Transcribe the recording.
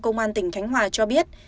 công an tỉnh khánh hòa cho biết